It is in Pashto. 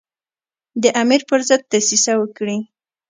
د امیر پر ضد دسیسه وکړي.